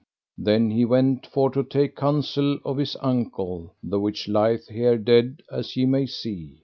Then he went for to take counsel of his uncle, the which lieth here dead as ye may see.